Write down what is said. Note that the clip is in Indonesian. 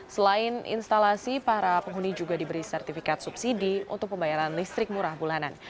selain instalasi para penghuni juga diberi sertifikat subsidi untuk pembayaran listrik murah bulanan